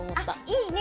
いいね